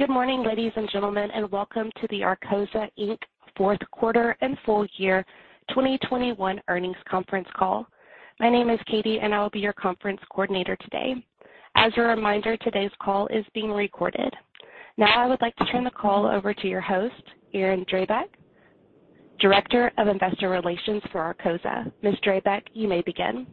Good morning, ladies and gentlemen, and welcome to the Arcosa, Inc. fourth quarter and full year 2021 earnings conference call. My name is Katie, and I will be your conference coordinator today. As a reminder, today's call is being recorded. Now I would like to turn the call over to your host, Erin Drabek, Director of Investor Relations for Arcosa. Ms. Drabek, you may begin.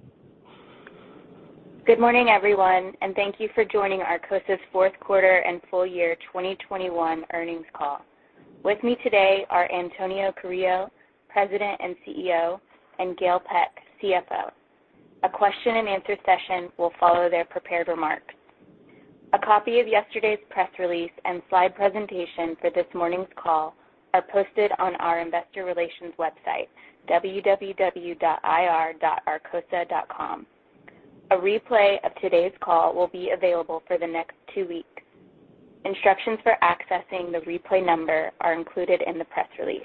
Good morning, everyone, and thank you for joining Arcosa's fourth quarter and full year 2021 earnings call. With me today are Antonio Carrillo, President and CEO, and Gail Peck, CFO. A Q&A session will follow their prepared remarks. A copy of yesterday's press release and slide presentation for this morning's call are posted on our investor relations website, www.ir.arcosa.com. A replay of today's call will be available for the next two weeks. Instructions for accessing the replay number are included in the press release.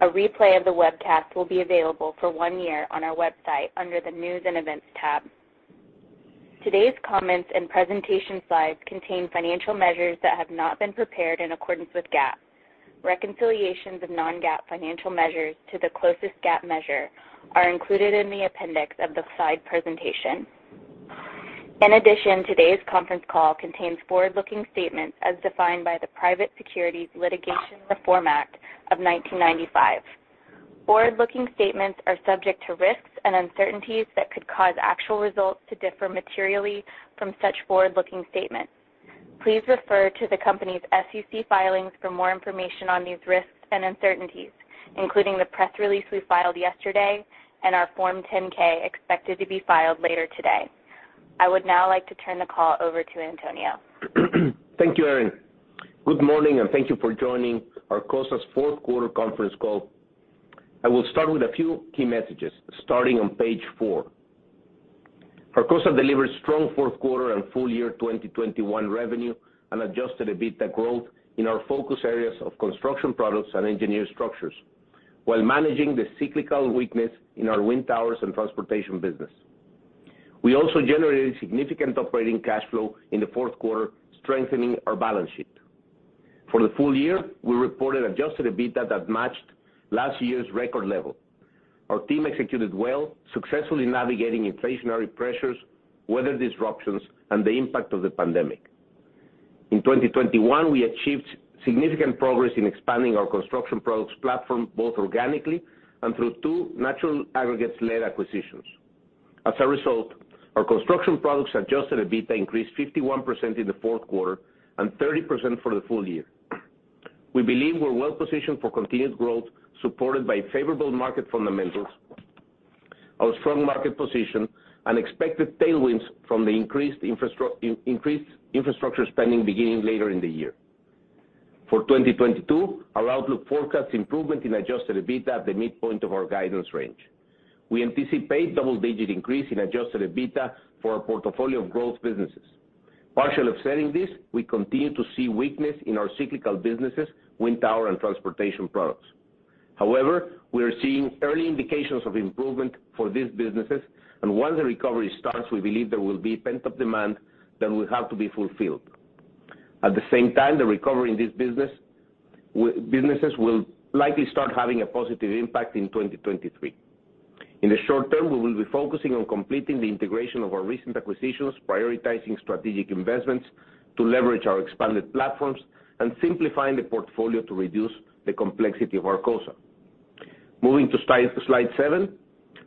A replay of the webcast will be available for one year on our website under the News & Events tab. Today's comments and presentation slides contain financial measures that have not been prepared in accordance with GAAP. Reconciliations of non-GAAP financial measures to the closest GAAP measure are included in the appendix of the slide presentation. In addition, today's conference call contains forward-looking statements as defined by the Private Securities Litigation Reform Act of 1995. Forward-looking statements are subject to risks and uncertainties that could cause actual results to differ materially from such forward-looking statements. Please refer to the company's SEC filings for more information on these risks and uncertainties, including the press release we filed yesterday and our Form 10-K expected to be filed later today. I would now like to turn the call over to Antonio. Thank you, Erin. Good morning, and thank you for joining Arcosa's fourth quarter conference call. I will start with a few key messages, starting on page page. Arcosa delivered strong fourth quarter and full year 2021 revenue and adjusted EBITDA growth in our focus areas of construction products and engineered structures while managing the cyclical weakness in our wind towers and transportation business. We also generated significant operating cash flow in the fourth quarter, strengthening our balance sheet. For the full year, we reported adjusted EBITDA that matched last year's record level. Our team executed well, successfully navigating inflationary pressures, weather disruptions, and the impact of the pandemic. In 2021, we achieved significant progress in expanding our construction products platform, both organically and through two natural aggregates-led acquisitions. As a result, our construction products adjusted EBITDA increased 51% in the fourth quarter and 30% for the full year. We believe we're well positioned for continued growth, supported by favorable market fundamentals, our strong market position, and expected tailwinds from the increased infrastructure spending beginning later in the year. For 2022, our outlook forecasts improvement in adjusted EBITDA at the midpoint of our guidance range. We anticipate double-digit increase in adjusted EBITDA for our portfolio of growth businesses. Partial offsetting this, we continue to see weakness in our cyclical businesses, wind tower and transportation products. However, we are seeing early indications of improvement for these businesses, and once the recovery starts, we believe there will be pent-up demand that will have to be fulfilled. At the same time, the recovery in this business, businesses will likely start having a positive impact in 2023. In the short term, we will be focusing on completing the integration of our recent acquisitions, prioritizing strategic investments to leverage our expanded platforms, and simplifying the portfolio to reduce the complexity of Arcosa. Moving to slide seven.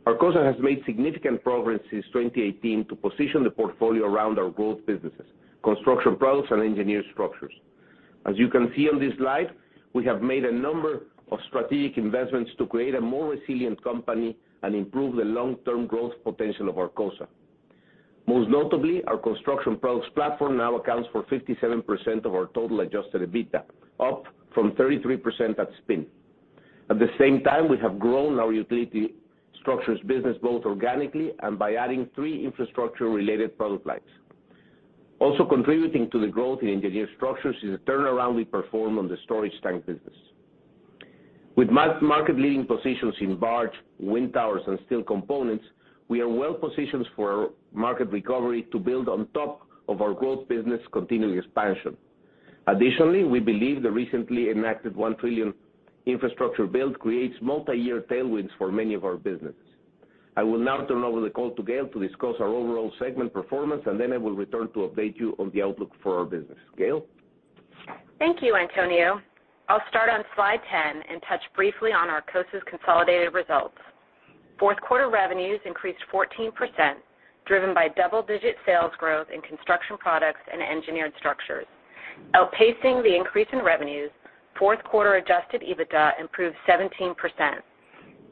Arcosa has made significant progress since 2018 to position the portfolio around our growth businesses, construction products and engineered structures. As you can see on this slide, we have made a number of strategic investments to create a more resilient company and improve the long-term growth potential of Arcosa. Most notably, our construction products platform now accounts for 57% of our total adjusted EBITDA, up from 33% at spin. At the same time, we have grown our utility structures business both organically and by adding three infrastructure-related product lines. Also contributing to the growth in engineered structures is a turnaround we performed on the storage tank business. With market-leading positions in barge, wind towers, and steel components, we are well positioned for market recovery to build on top of our growth business continuing expansion. Additionally, we believe the recently enacted 1 trillion infrastructure bill creates multiyear tailwinds for many of our businesses. I will now turn over the call to Gail to discuss our overall segment performance, and then I will return to update you on the outlook for our business. Gail? Thank you, Antonio. I'll start on slide 10 and touch briefly on Arcosa's consolidated results. Fourth quarter revenues increased 14%, driven by double-digit sales growth in construction products and engineered structures. Outpacing the increase in revenues, fourth quarter adjusted EBITDA improved 17%,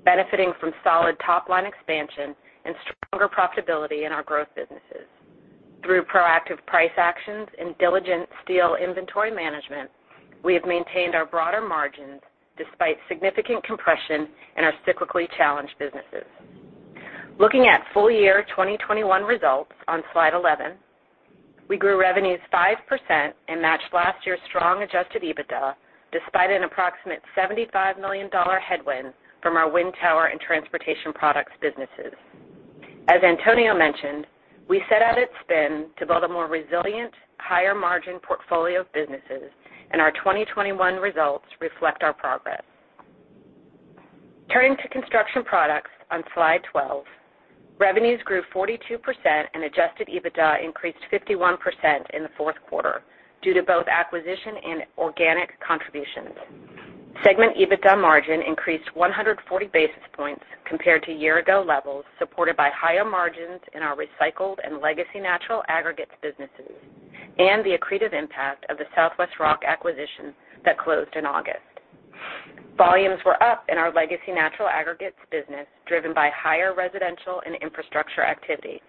benefiting from solid top-line expansion and stronger profitability in our growth businesses. Through proactive price actions and diligent steel inventory management, we have maintained our broader margins despite significant compression in our cyclically challenged businesses. Looking at full year 2021 results on slide 11, we grew revenues 5% and matched last year's strong adjusted EBITDA despite an approximate $75 million headwind from our wind tower and transportation products businesses. As Antonio mentioned, we set out at spin to build a more resilient, higher margin portfolio of businesses, and our 2021 results reflect our progress. Turning to Construction Products on slide 12, revenues grew 42% and adjusted EBITDA increased 51% in the fourth quarter due to both acquisition and organic contributions. Segment EBITDA margin increased 140 basis points compared to year-ago levels, supported by higher margins in our recycled and legacy natural aggregates businesses and the accretive impact of the Southwest Rock acquisition that closed in August. Volumes were up in our legacy natural aggregates business, driven by higher residential and infrastructure activity.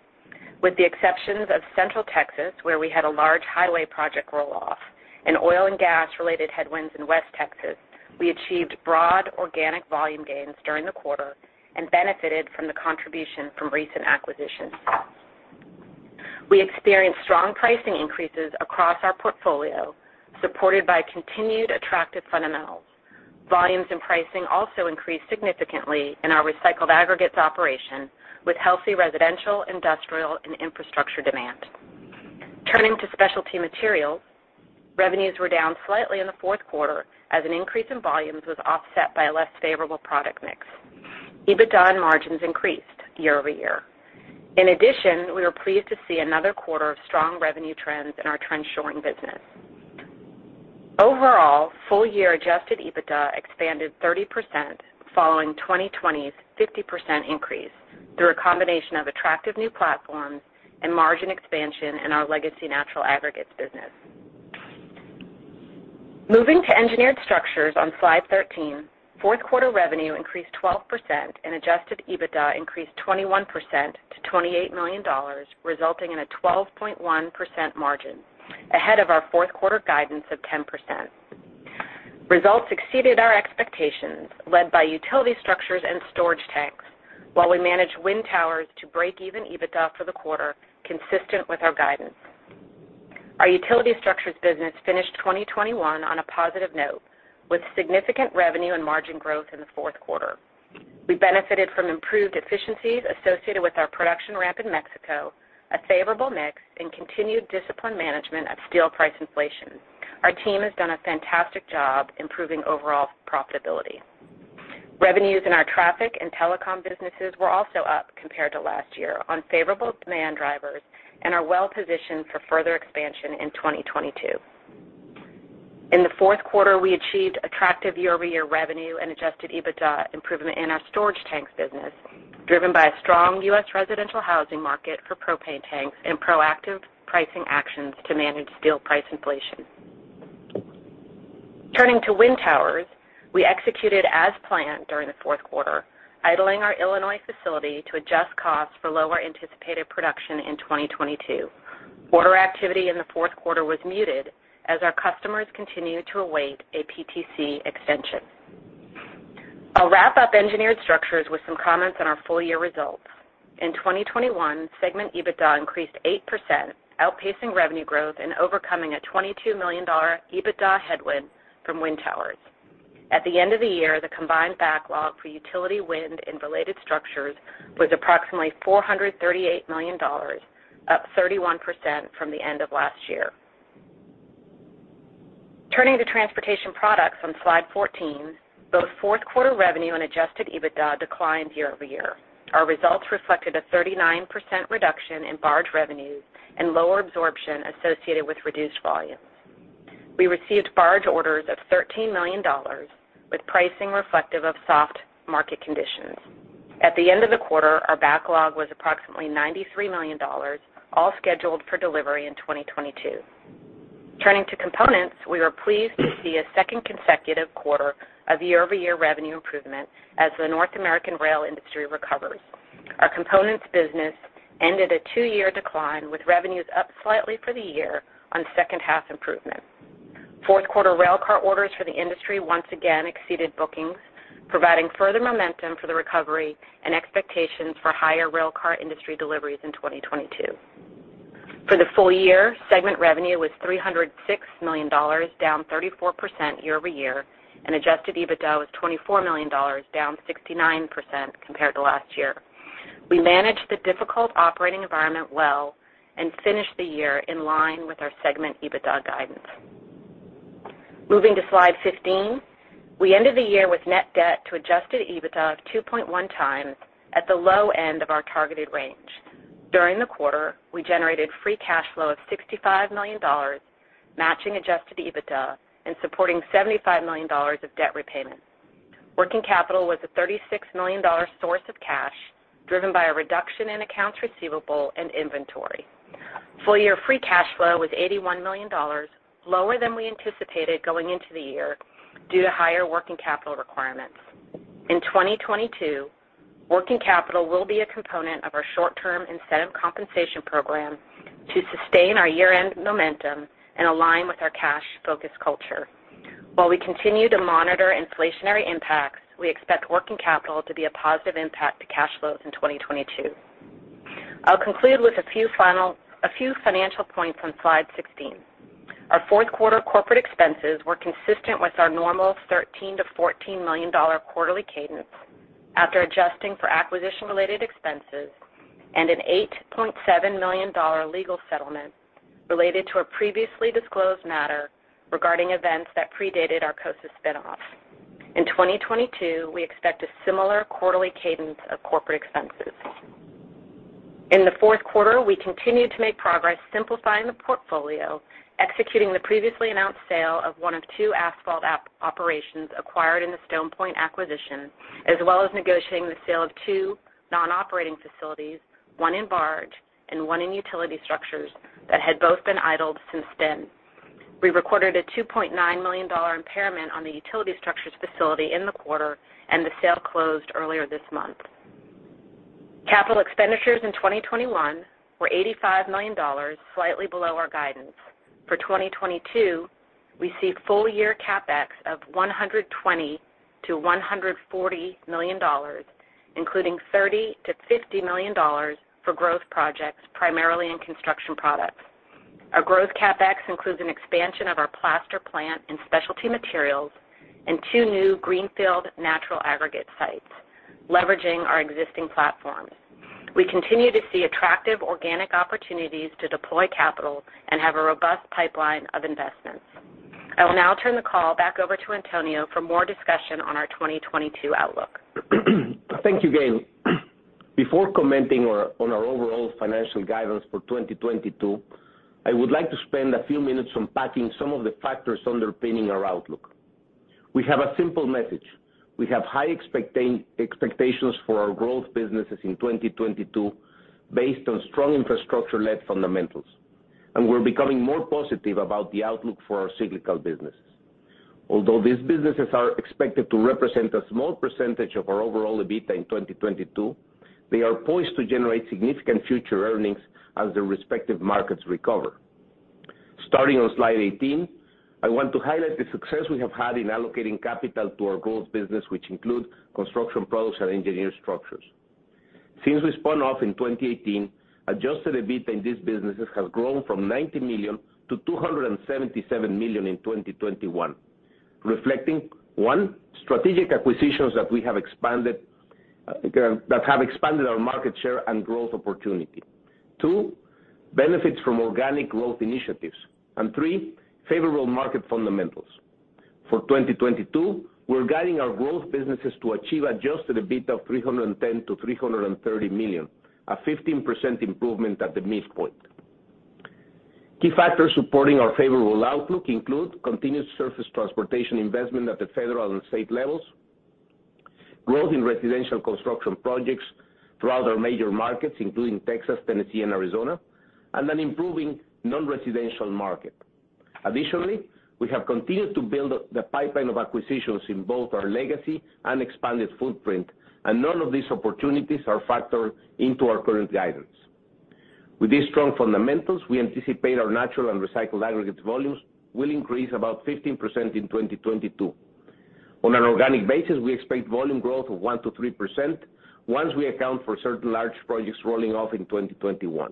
With the exceptions of Central Texas, where we had a large highway project roll-off and oil and gas-related headwinds in West Texas, we achieved broad organic volume gains during the quarter and benefited from the contribution from recent acquisitions. We experienced strong pricing increases across our portfolio, supported by continued attractive fundamentals. Volumes and pricing also increased significantly in our recycled aggregates operation, with healthy residential, industrial, and infrastructure demand. Turning to Specialty Materials, revenues were down slightly in the fourth quarter as an increase in volumes was offset by a less favorable product mix. EBITDA margins increased year-over-year. In addition, we were pleased to see another quarter of strong revenue trends in our trench shoring business. Overall, full-year adjusted EBITDA expanded 30% following 2020's 50% increase through a combination of attractive new platforms and margin expansion in our legacy natural aggregates business. Moving to Engineered Structures on slide 13, fourth quarter revenue increased 12% and adjusted EBITDA increased 21% to $28 million, resulting in a 12.1% margin ahead of our fourth quarter guidance of 10%. Results exceeded our expectations, led by utility structures and storage tanks, while we managed wind towers to break even EBITDA for the quarter, consistent with our guidance. Our utility structures business finished 2021 on a positive note, with significant revenue and margin growth in the fourth quarter. We benefited from improved efficiencies associated with our production ramp in Mexico, a favorable mix, and continued disciplined management of steel price inflation. Our team has done a fantastic job improving overall profitability. Revenues in our traffic and telecom businesses were also up compared to last year on favorable demand drivers and are well positioned for further expansion in 2022. In the fourth quarter, we achieved attractive year-over-year revenue and adjusted EBITDA improvement in our storage tanks business, driven by a strong U.S. residential housing market for propane tanks and proactive pricing actions to manage steel price inflation. Turning to wind towers, we executed as planned during the fourth quarter, idling our Illinois facility to adjust costs for lower anticipated production in 2022. Order activity in the fourth quarter was muted as our customers continued to await a PTC extension. I'll wrap up Engineered Structures with some comments on our full year results. In 2021, segment EBITDA increased 8%, outpacing revenue growth and overcoming a $22 million EBITDA headwind from wind towers. At the end of the year, the combined backlog for utility wind and related structures was approximately $438 million, up 31% from the end of last year. Turning to Transportation Products on slide 14, both fourth quarter revenue and adjusted EBITDA declined year-over-year. Our results reflected a 39% reduction in barge revenues and lower absorption associated with reduced volume. We received barge orders of $13 million with pricing reflective of soft market conditions. At the end of the quarter, our backlog was approximately $93 million, all scheduled for delivery in 2022. Turning to components, we were pleased to see a second consecutive quarter of year-over-year revenue improvement as the North American rail industry recovers. Our components business ended a two-year decline, with revenues up slightly for the year on second half improvements. Fourth quarter railcar orders for the industry once again exceeded bookings, providing further momentum for the recovery and expectations for higher railcar industry deliveries in 2022. For the full year, segment revenue was $306 million, down 34% year-over-year, and adjusted EBITDA was $24 million, down 69% compared to last year. We managed the difficult operating environment well and finished the year in line with our segment EBITDA guidance. Moving to slide 15. We ended the year with net debt to adjusted EBITDA of 2.1x at the low end of our targeted range. During the quarter, we generated free cash flow of $65 million, matching adjusted EBITDA and supporting $75 million of debt repayments. Working capital was a $36 million source of cash, driven by a reduction in accounts receivable and inventory. Full year free cash flow was $81 million, lower than we anticipated going into the year due to higher working capital requirements. In 2022, working capital will be a component of our short term incentive compensation program to sustain our year-end momentum and align with our cash-focused culture. While we continue to monitor inflationary impacts, we expect working capital to be a positive impact to cash flows in 2022. I'll conclude with a few financial points on slide 16. Our fourth quarter corporate expenses were consistent with our normal $13 million-$14 million quarterly cadence after adjusting for acquisition related expenses and an $8.7 million legal settlement related to a previously disclosed matter regarding events that predated our spin-off. In 2022, we expect a similar quarterly cadence of corporate expenses. In the fourth quarter, we continued to make progress simplifying the portfolio, executing the previously announced sale of one of two asphalt operations acquired in the StonePoint acquisition, as well as negotiating the sale of two non-operating facilities, one in barge and one in utility structures that had both been idled since then. We recorded a $2.9 million impairment on the utility structures facility in the quarter, and the sale closed earlier this month. Capital expenditures in 2021 were $85 million, slightly below our guidance. For 2022, we see full year CapEx of $120 million-$140 million, including $30 million-$50 million for growth projects, primarily in construction products. Our growth CapEx includes an expansion of our plaster plant in specialty materials and two new greenfield natural aggregate sites, leveraging our existing platforms. We continue to see attractive organic opportunities to deploy capital and have a robust pipeline of investments. I will now turn the call back over to Antonio for more discussion on our 2022 outlook. Thank you, Gail. Before commenting on our overall financial guidance for 2022, I would like to spend a few minutes unpacking some of the factors underpinning our outlook. We have a simple message. We have high expectations for our growth businesses in 2022 based on strong infrastructure-led fundamentals, and we're becoming more positive about the outlook for our cyclical businesses. Although these businesses are expected to represent a small percentage of our overall EBITDA in 2022, they are poised to generate significant future earnings as their respective markets recover. Starting on slide 18, I want to highlight the success we have had in allocating capital to our growth business, which include construction products and engineered structures. Since we spun off in 2018, adjusted EBITDA in these businesses has grown from $90 million-$277 million in 2021, reflecting one, strategic acquisitions that have expanded our market share and growth opportunity. Two, benefits from organic growth initiatives. Three, favorable market fundamentals. For 2022, we're guiding our growth businesses to achieve adjusted EBITDA of $310 million-$330 million, a 15% improvement at the midpoint. Key factors supporting our favorable outlook include continued surface transportation investment at the federal and state levels, growth in residential construction projects throughout our major markets, including Texas, Tennessee, and Arizona, and an improving non-residential market. Additionally, we have continued to build the pipeline of acquisitions in both our legacy and expanded footprint, and none of these opportunities are factored into our current guidance. With these strong fundamentals, we anticipate our natural and recycled aggregates volumes will increase about 15% in 2022. On an organic basis, we expect volume growth of 1%-3% once we account for certain large projects rolling off in 2021.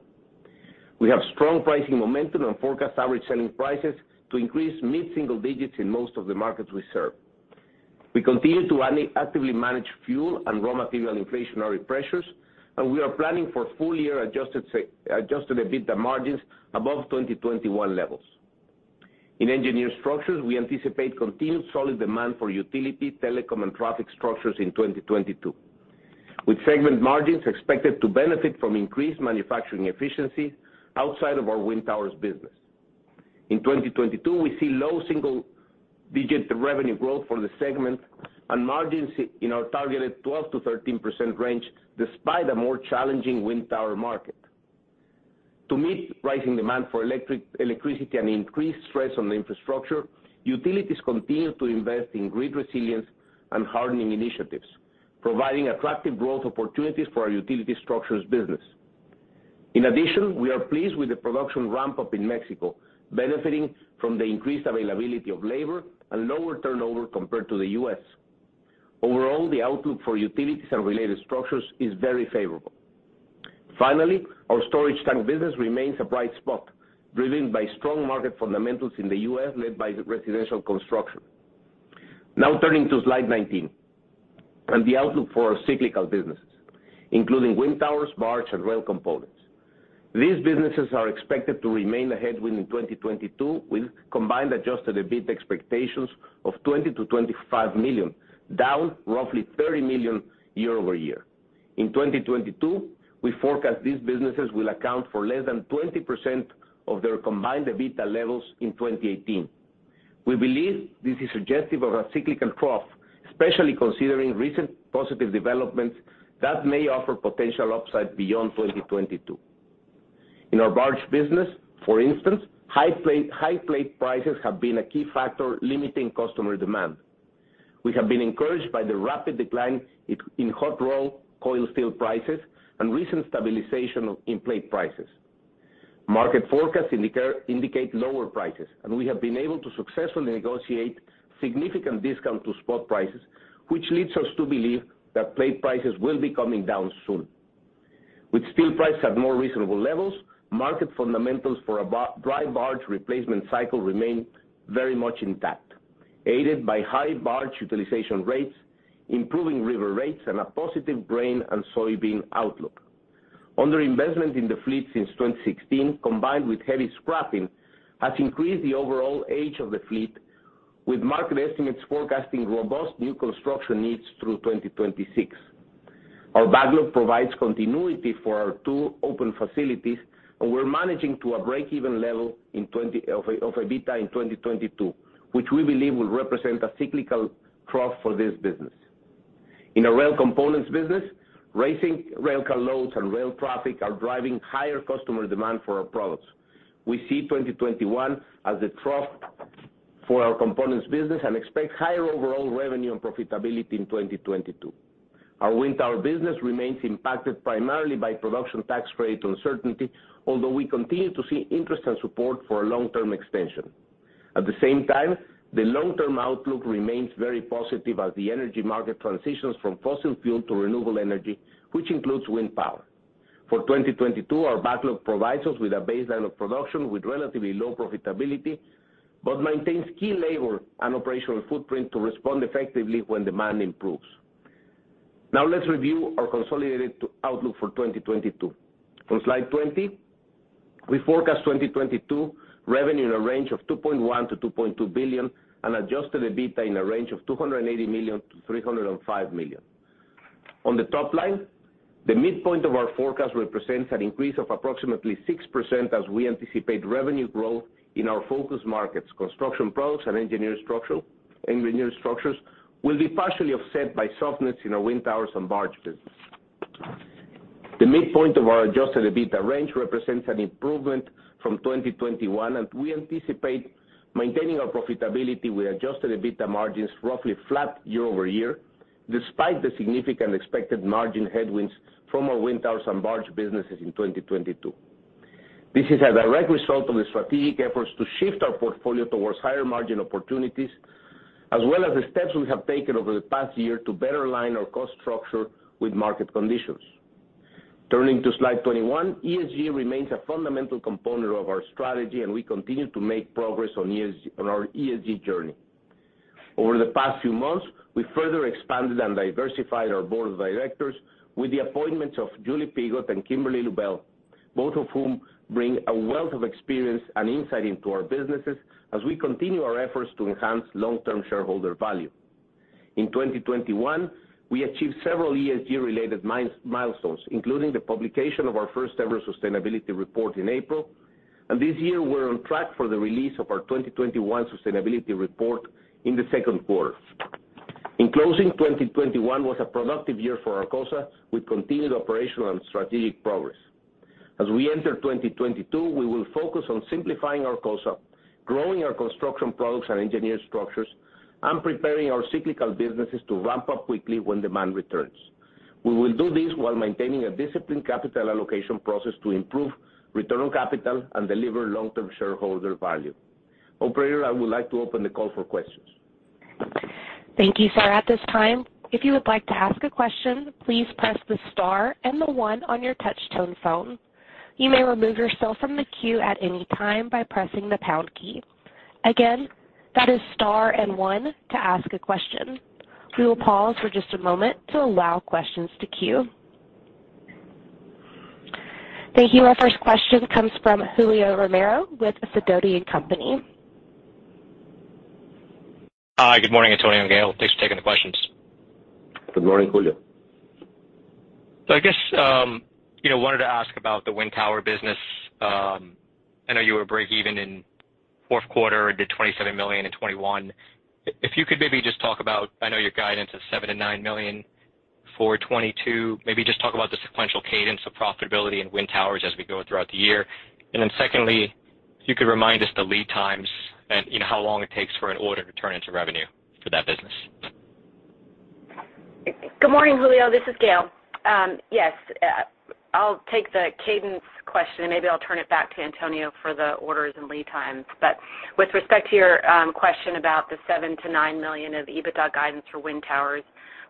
We have strong pricing momentum and forecast average selling prices to increase mid-single digits in most of the markets we serve. We continue to actively manage fuel and raw material inflationary pressures, and we are planning for full-year adjusted EBITDA margins above 2021 levels. In engineered structures, we anticipate continued solid demand for utility, telecom, and traffic structures in 2022, with segment margins expected to benefit from increased manufacturing efficiency outside of our wind towers business. In 2022, we see low single-digit revenue growth for the segment and margins in our targeted 12%-13% range, despite a more challenging wind tower market. To meet rising demand for electricity and increased stress on the infrastructure, utilities continue to invest in grid resilience and hardening initiatives, providing attractive growth opportunities for our utility structures business. In addition, we are pleased with the production ramp-up in Mexico, benefiting from the increased availability of labor and lower turnover compared to the U.S. Overall, the outlook for utilities and related structures is very favorable. Finally, our storage tank business remains a bright spot, driven by strong market fundamentals in the U.S., led by the residential construction. Now turning to slide 19 and the outlook for our cyclical businesses, including wind towers, barge, and rail components. These businesses are expected to remain a headwind in 2022, with combined adjusted EBITDA expectations of $20 million-$25 million, down roughly $30 million year-over-year. In 2022, we forecast these businesses will account for less than 20% of their combined EBITDA levels in 2018. We believe this is suggestive of a cyclical trough, especially considering recent positive developments that may offer potential upside beyond 2022. In our barge business, for instance, high plate prices have been a key factor limiting customer demand. We have been encouraged by the rapid decline in hot rolled coil steel prices and recent stabilization in plate prices. Market forecasts indicate lower prices, and we have been able to successfully negotiate significant discount to spot prices, which leads us to believe that plate prices will be coming down soon. With steel price at more reasonable levels, market fundamentals for a dry barge replacement cycle remain very much intact, aided by high barge utilization rates, improving river rates, and a positive grain and soybean outlook. Under-investment in the fleet since 2016, combined with heavy scrapping, has increased the overall age of the fleet with market estimates forecasting robust new construction needs through 2026. Our backlog provides continuity for our two open facilities, and we're managing to a breakeven level of EBITDA in 2022, which we believe will represent a cyclical trough for this business. In our rail components business, rising railcar loads and rail traffic are driving higher customer demand for our products. We see 2021 as a trough for our components business and expect higher overall revenue and profitability in 2022. Our wind tower business remains impacted primarily by production tax credit uncertainty, although we continue to see interest and support for a long-term extension. At the same time, the long-term outlook remains very positive as the energy market transitions from fossil fuel to renewable energy, which includes wind power. For 2022, our backlog provides us with a baseline of production with relatively low profitability, but maintains key labor and operational footprint to respond effectively when demand improves. Now, let's review our consolidated outlook for 2022. On slide 20, we forecast 2022 revenue in a range of $2.1 billion-$2.2 billion and adjusted EBITDA in a range of $280 million-$305 million. On the top line, the midpoint of our forecast represents an increase of approximately 6% as we anticipate revenue growth in our focus markets. Construction products and engineered structures will be partially offset by softness in our wind towers and barge business. The midpoint of our adjusted EBITDA range represents an improvement from 2021, and we anticipate maintaining our profitability with adjusted EBITDA margins roughly flat year over year, despite the significant expected margin headwinds from our wind towers and barge businesses in 2022. This is a direct result of the strategic efforts to shift our portfolio towards higher margin opportunities, as well as the steps we have taken over the past year to better align our cost structure with market conditions. Turning to slide 21, ESG remains a fundamental component of our strategy, and we continue to make progress on our ESG journey. Over the past few months, we further expanded and diversified our board of directors with the appointments of Julie Piggott and Kimberly Lubel, both of whom bring a wealth of experience and insight into our businesses as we continue our efforts to enhance long-term shareholder value. In 2021, we achieved several ESG-related milestones, including the publication of our first ever sustainability report in April. This year, we're on track for the release of our 2021 sustainability report in the second quarter. In closing, 2021 was a productive year for Arcosa with continued operational and strategic progress. As we enter 2022, we will focus on simplifying Arcosa, growing our construction products and engineered structures, and preparing our cyclical businesses to ramp up quickly when demand returns. We will do this while maintaining a disciplined capital allocation process to improve return on capital and deliver long-term shareholder value. Operator, I would like to open the call for questions. Thank you, sir. At this time, if you would like to ask a question, please press the star and the one on your touchtone phone. You may remove yourself from the queue at any time by pressing the pound key. Again, that is star and one to ask a question. We will pause for just a moment to allow questions to queue. Our first question comes from Julio Romero with Sidoti & Company. Hi, good morning, Antonio and Gail. Thanks for taking the questions. Good morning, Julio. I guess wanted to ask about the wind tower business. I know you were breakeven in fourth quarter, did $27 million in 2021. If you could maybe just talk about, I know your guidance is $7 million-$9 million for 2022. Maybe just talk about the sequential cadence of profitability in wind towers as we go throughout the year. Then secondly, if you could remind us the lead times and how long it takes for an order to turn into revenue for that business. Good morning, Julio. This is Gail. Yes, I'll take the cadence question, and maybe I'll turn it back to Antonio for the orders and lead times. With respect to your question about the $7 million-$9 million of EBITDA guidance for wind towers,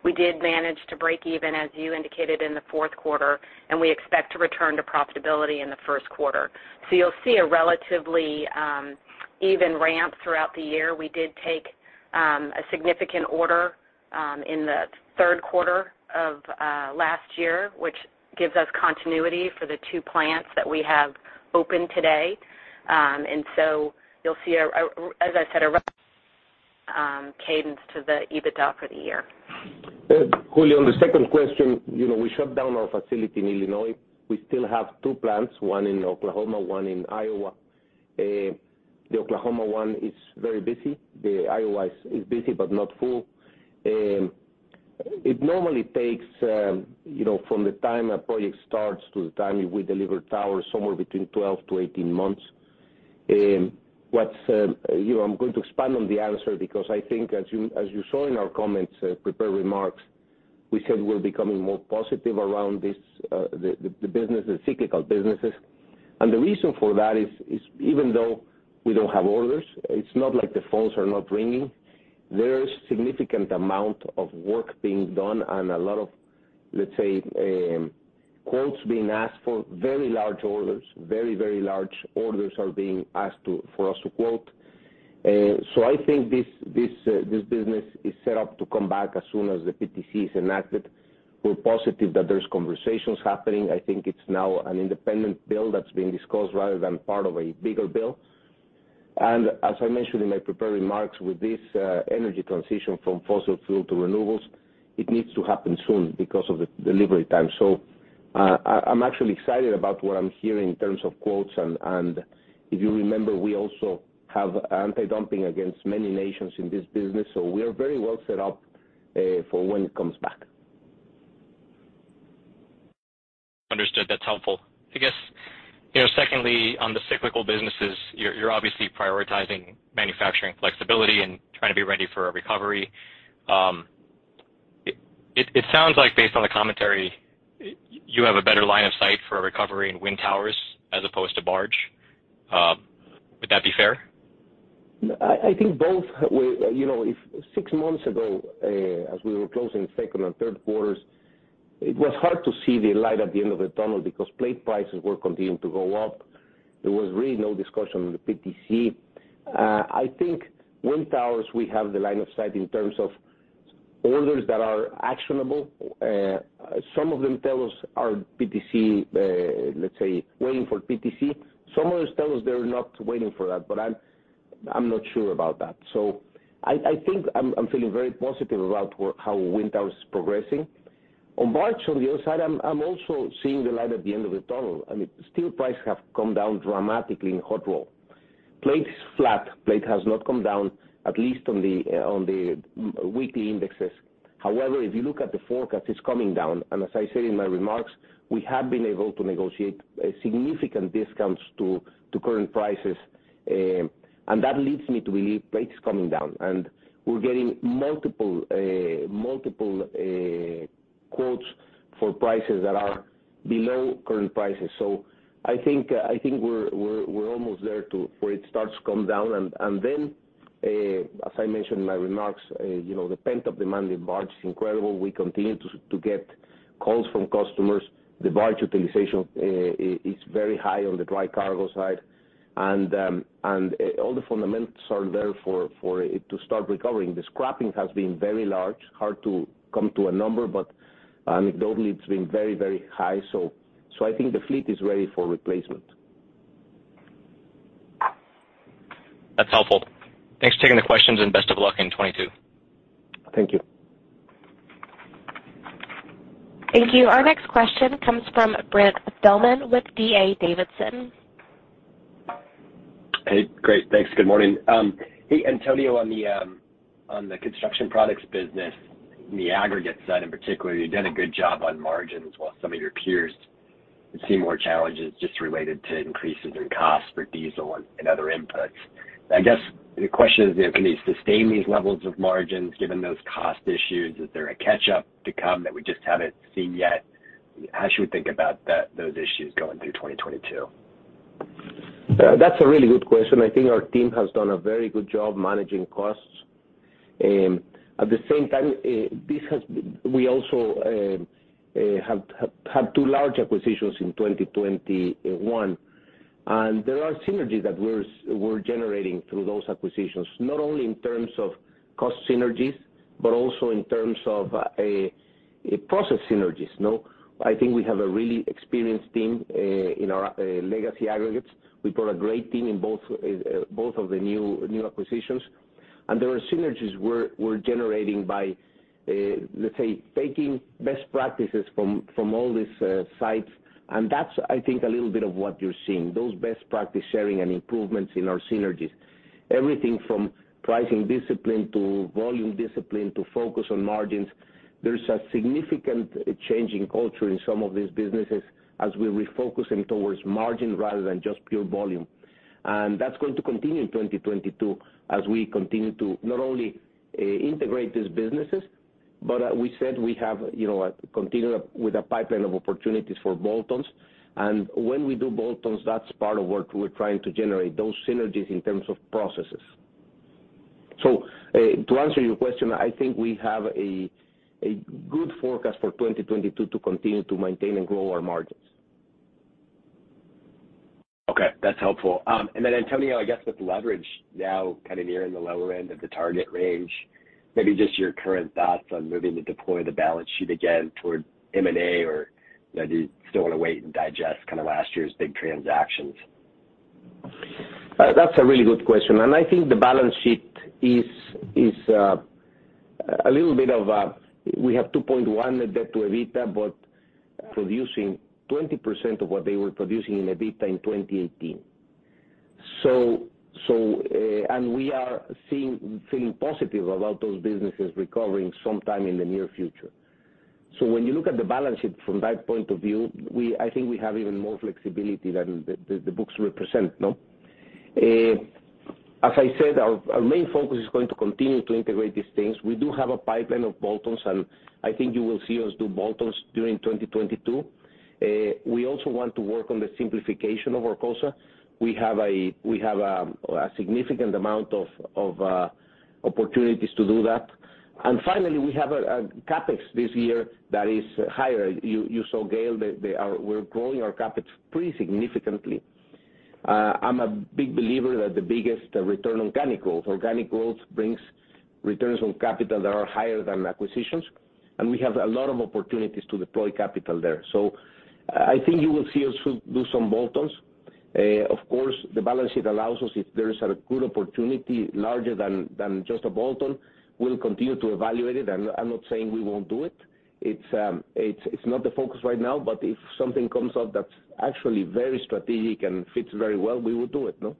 we did manage to break even, as you indicated, in the fourth quarter, and we expect to return to profitability in the first quarter. You'll see a relatively even ramp throughout the year. We did take a significant order in the third quarter of last year, which gives us continuity for the two plants that we have open today. You'll see, as I said, a cadence to the EBITDA for the year. Julio, on the second question, you know, we shut down our facility in Illinois. We still have two plants, one in Oklahoma, one in Iowa. The Oklahoma one is very busy. The Iowa is busy but not full. It normally takes, you know, from the time a project starts to the time we deliver towers, somewhere between 12-18 months. You know, I'm going to expand on the answer because I think as you saw in our comments, prepared remarks, we said we're becoming more positive around this, the business, the cyclical businesses. The reason for that is even though we don't have orders, it's not like the phones are not ringing. There is significant amount of work being done and a lot of, let's say, quotes being asked for very large orders. Very, very large orders are being asked for us to quote. I think this business is set up to come back as soon as the PTC is enacted. We're positive that there's conversations happening. I think it's now an independent bill that's being discussed rather than part of a bigger bill. As I mentioned in my prepared remarks, with this energy transition from fossil fuel to renewables, it needs to happen soon because of the delivery time. I'm actually excited about what I'm hearing in terms of quotes. If you remember, we also have anti-dumping against many nations in this business, so we are very well set up for when it comes back. Understood. That's helpful. I guess, you know, secondly, on the cyclical businesses, you're obviously prioritizing manufacturing flexibility and trying to be ready for a recovery. It sounds like based on the commentary, you have a better line of sight for a recovery in wind towers as opposed to barge. Would that be fair? I think both. You know, if six months ago, as we were closing second and third quarters, it was hard to see the light at the end of the tunnel because plate prices were continuing to go up. There was really no discussion on the PTC. I think wind towers, we have the line of sight in terms of orders that are actionable. Some of them tell us are PTC, let's say, waiting for PTC. Some others tell us they're not waiting for that, but I'm not sure about that. I think I'm feeling very positive about how wind tower is progressing. On barge, on the other side, I'm also seeing the light at the end of the tunnel. I mean, steel prices have come down dramatically in hot roll. Plate's flat. Plate has not come down, at least on the weekly indexes. However, if you look at the forecast, it's coming down. As I said in my remarks, we have been able to negotiate significant discounts to current prices. That leads me to believe plate is coming down. We're getting multiple quotes for prices that are below current prices. I think we're almost there to where it starts to come down. Then, as I mentioned in my remarks, you know, the pent-up demand in barge is incredible. We continue to get calls from customers. The barge utilization is very high on the dry cargo side. All the fundamentals are there for it to start recovering. The scrapping has been very large. Hard to come to a number, but anecdotally, it's been very, very high. I think the fleet is ready for replacement. That's helpful. Thanks for taking the questions and best of luck in 2022. Thank you. Thank you. Our next question comes from Brent Thielman with D.A. Davidson. Hey, great. Thanks. Good morning. Hey, Antonio, on the construction products business, the aggregate side in particular, you've done a good job on margins while some of your peers have seen more challenges just related to increases in costs for diesel and other inputs. I guess the question is, you know, can you sustain these levels of margins given those cost issues? Is there a catch-up to come that we just haven't seen yet? How should we think about that, those issues going through 2022? That's a really good question. I think our team has done a very good job managing costs. At the same time, we also have two large acquisitions in 2021. There are synergies that we're generating through those acquisitions, not only in terms of cost synergies, but also in terms of process synergies, no? I think we have a really experienced team in our legacy aggregates. We've got a great team in both of the new acquisitions. There are synergies we're generating by, let's say, taking best practices from all these sites. That's, I think, a little bit of what you're seeing, those best practice sharing and improvements in our synergies. Everything from pricing discipline to volume discipline to focus on margins. There's a significant change in culture in some of these businesses as we're refocusing towards margin rather than just pure volume. That's going to continue in 2022 as we continue to not only integrate these businesses, but we said we have, you know, a continued with a pipeline of opportunities for bolt-ons. When we do bolt-ons, that's part of what we're trying to generate, those synergies in terms of processes. To answer your question, I think we have a good forecast for 2022 to continue to maintain and grow our margins. Okay, that's helpful. Antonio, I guess with leverage now kind of nearing the lower end of the target range, maybe just your current thoughts on moving to deploy the balance sheet again toward M&A, or, you know, do you still wanna wait and digest kind of last year's big transactions? That's a really good question. I think the balance sheet is a little bit of we have 2.1 debt to EBITDA, but producing 20% of what they were producing in EBITDA in 2018. We are feeling positive about those businesses recovering sometime in the near future. When you look at the balance sheet from that point of view, I think we have even more flexibility than the books represent, no? As I said, our main focus is going to continue to integrate these things. We do have a pipeline of bolt-ons, and I think you will see us do bolt-ons during 2022. We also want to work on the simplification of Arcosa. We have a significant amount of opportunities to do that. Finally, we have a CapEx this year that is higher. You saw Gail, we're growing our CapEx pretty significantly. I'm a big believer that the biggest return on organic growth. Organic growth brings returns on capital that are higher than acquisitions, and we have a lot of opportunities to deploy capital there. I think you will see us do some bolt-ons. Of course, the balance sheet allows us if there is a good opportunity larger than just a bolt-on, we'll continue to evaluate it. I'm not saying we won't do it. It's not the focus right now, but if something comes up that's actually very strategic and fits very well, we will do it, no?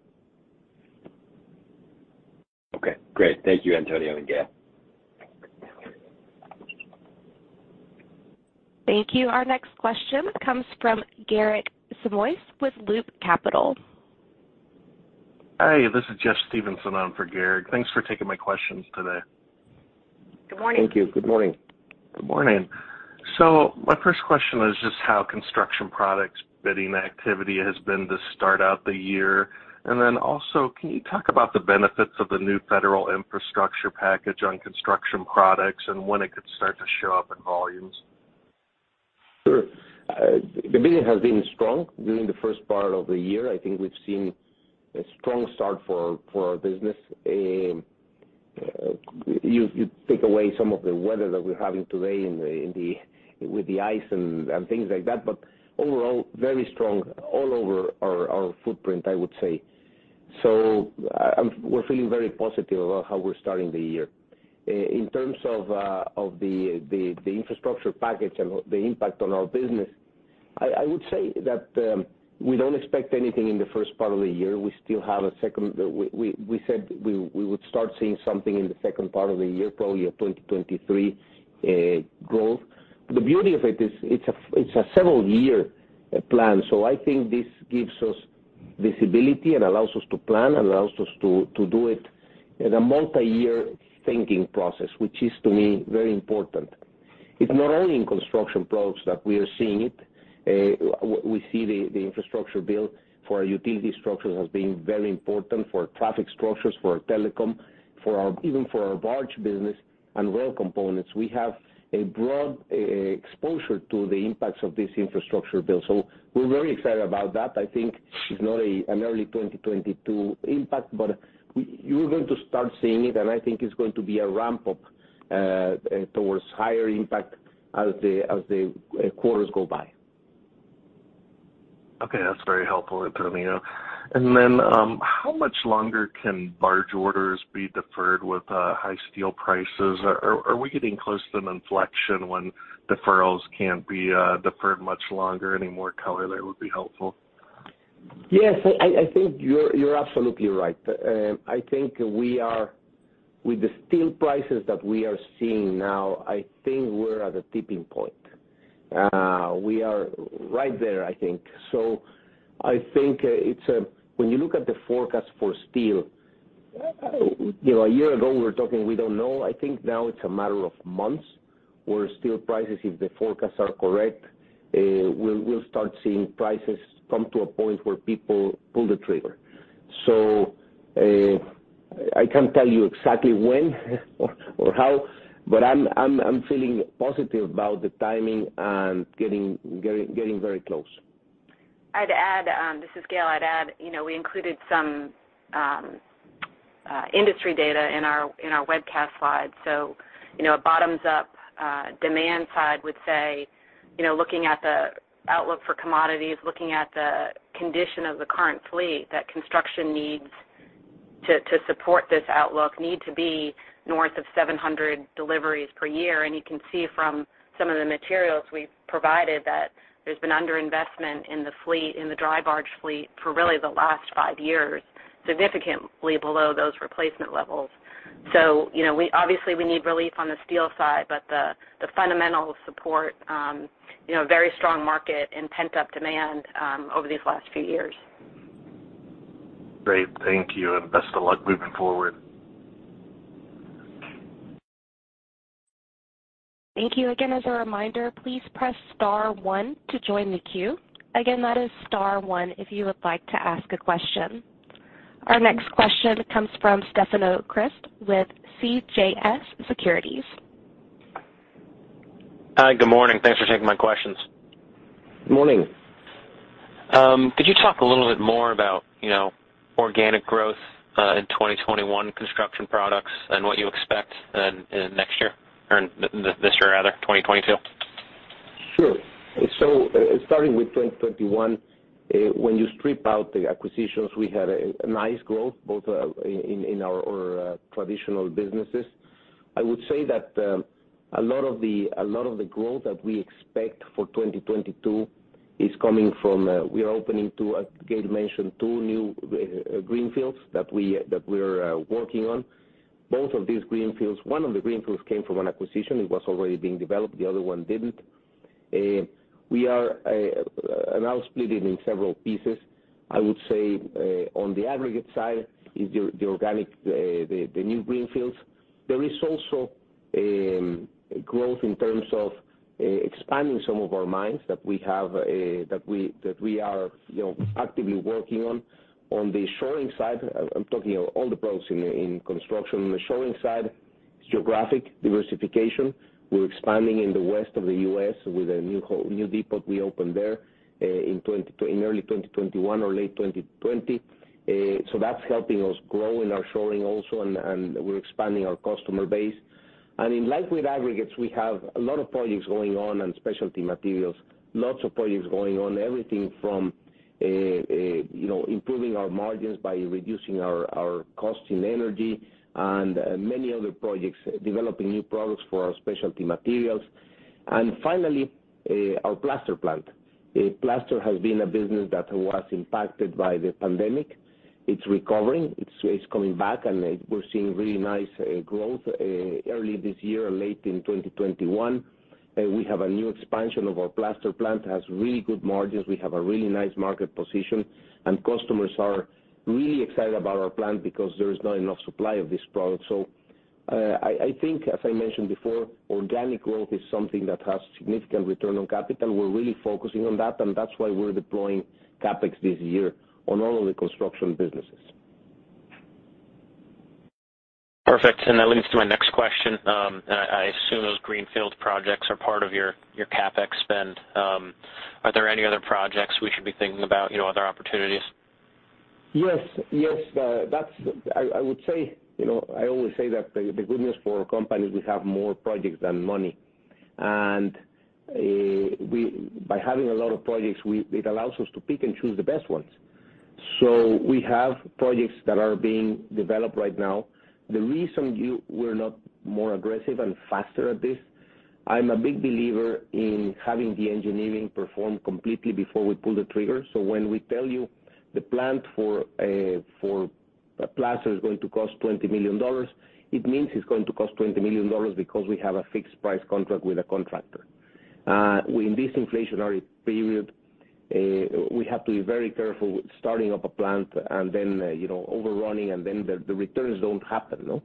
Okay. Great. Thank you, Antonio and Gail. Thank you. Our next question comes from Garik Shmois with Loop Capital. Hi, this is Jeff Stevenson on for Garik. Thanks for taking my questions today. Good morning. Thank you. Good morning. Good morning. My first question is just how construction products bidding activity has been to start out the year. Can you talk about the benefits of the new federal infrastructure package on construction products and when it could start to show up in volumes? The bidding has been strong during the first part of the year. I think we've seen a strong start for our business. You take away some of the weather that we're having today with the ice and things like that. Overall, very strong all over our footprint, I would say. We're feeling very positive about how we're starting the year. In terms of the infrastructure package and the impact on our business, I would say that we don't expect anything in the first part of the year. We said we would start seeing something in the second part of the year, probably a 2023 growth. The beauty of it is it's a several year plan. I think this gives us visibility and allows us to plan and allows us to do it in a multi-year thinking process, which is, to me, very important. It's not only in construction products that we are seeing it. We see the infrastructure bill for our utility structures has been very important for traffic structures, for our telecom, even for our barge business and rail components. We have a broad exposure to the impacts of this infrastructure bill. We're very excited about that. I think it's not an early 2022 impact, but you're going to start seeing it, and I think it's going to be a ramp-up towards higher impact as the quarters go by. Okay. That's very helpful input, Antonio. Then, how much longer can barge orders be deferred with high steel prices? Are we getting close to an inflection when deferrals can't be deferred much longer? Any more color there would be helpful. Yes. I think you're absolutely right. I think with the steel prices that we are seeing now, I think we're at a tipping point. We are right there, I think. I think it's when you look at the forecast for steel, you know, a year ago, we were talking, we don't know. I think now it's a matter of months where steel prices, if the forecasts are correct, we'll start seeing prices come to a point where people pull the trigger. I can't tell you exactly when or how, but I'm feeling positive about the timing and getting very close. I'd add. This is Gail. I'd add, you know, we included some industry data in our webcast slides. You know, a bottoms-up demand side would say, you know, looking at the outlook for commodities, looking at the condition of the current fleet that construction needs to support this outlook need to be north of 700 deliveries per year. You can see from some of the materials we've provided that there's been underinvestment in the fleet, in the dry barge fleet for really the last five years, significantly below those replacement levels. You know, we obviously need relief on the steel side, but the fundamental support, you know, very strong market and pent-up demand over these last few years. Great. Thank you, and best of luck moving forward. Thank you. Again, as a reminder, please press star one to join the queue. Again, that is star one if you would like to ask a question. Our next question comes from Stefanos Crist with CJS Securities. Hi. Good morning. Thanks for taking my questions. Good morning. Could you talk a little bit more about, you know, organic growth in 2021 construction products and what you expect in next year or this year rather, 2022? Starting with 2021, when you strip out the acquisitions, we had a nice growth both in our traditional businesses. I would say that a lot of the growth that we expect for 2022 is coming from we are opening two, as Gail mentioned, two new greenfields that we're working on. Both of these greenfields, one of the greenfields came from an acquisition. It was already being developed, the other one didn't. I'll split it in several pieces. I would say on the aggregate side is the organic, the new greenfields. There is also growth in terms of expanding some of our mines that we have that we are you know actively working on. On the shoring side, I'm talking all the products in construction. On the shoring side, it's geographic diversification. We're expanding in the West of the U.S. with a new depot we opened there in early 2021 or late 2020. So that's helping us grow in our shoring also and we're expanding our customer base. In lightweight aggregates, we have a lot of projects going on in specialty materials, lots of projects going on, everything from you know, improving our margins by reducing our cost in energy and many other projects, developing new products for our specialty materials. Finally, our plaster plant. Plaster has been a business that was impacted by the pandemic. It's recovering. It's coming back, and we're seeing really nice growth early this year or late in 2021. We have a new expansion of our plaster plant that has really good margins. We have a really nice market position, and customers are really excited about our plant because there is not enough supply of this product. I think as I mentioned before, organic growth is something that has significant return on capital. We're really focusing on that, and that's why we're deploying CapEx this year on all of the construction businesses. Perfect. That leads to my next question. I assume those greenfield projects are part of your CapEx spend. Are there any other projects we should be thinking about, you know, other opportunities? I would say, you know, I always say that the good news for our company is we have more projects than money. By having a lot of projects, it allows us to pick and choose the best ones. We have projects that are being developed right now. The reason we're not more aggressive and faster at this, I'm a big believer in having the engineering performed completely before we pull the trigger. When we tell you the plant for plaster is going to cost $20 million, it means it's going to cost $20 million because we have a fixed price contract with a contractor. In this inflationary period, we have to be very careful with starting up a plant and then, you know, overrunning, and then the returns don't happen, no?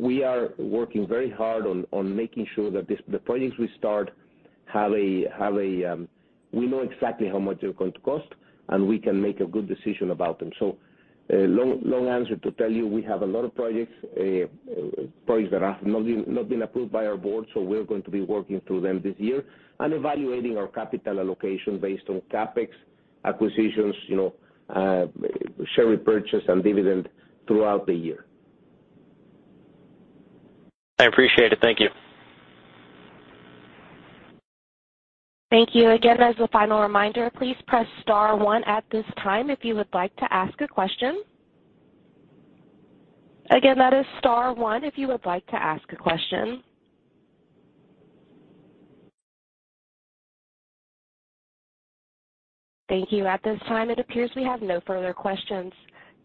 We are working very hard on making sure that the projects we start have a, we know exactly how much they're going to cost, and we can make a good decision about them. Long answer to tell you we have a lot of projects that have not been approved by our Board, so we're going to be working through them this year and evaluating our capital allocation based on CapEx, acquisitions, you know, share repurchase and dividend throughout the year. I appreciate it. Thank you. Thank you. Again, as a final reminder, please press star one at this time if you would like to ask a question. Again, that is star one if you would like to ask a question. Thank you. At this time, it appears we have no further questions.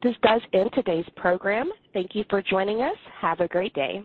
This does end today's program. Thank you for joining us. Have a great day.